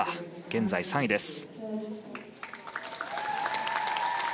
現在３位です。